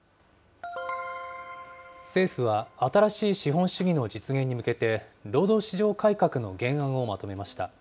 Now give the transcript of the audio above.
政府は、新しい資本主義の実現に向けて、労働市場改革の原案をまとめました。